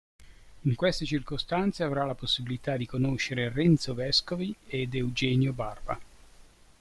In queste circostanze avrà la possibilità di conoscere Renzo Vescovi ed Eugenio Barba.